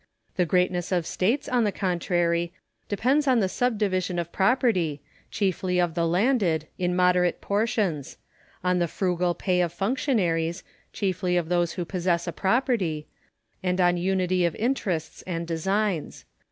The greatness of States, on the contrary, depends on the subdivision of property, chiefly of the landed, in moderate portions ; on the frugal pay of functionaries, chiefly of those who possess a property; and on unity of interests and designs.